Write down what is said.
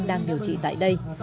đang điều trị tại đây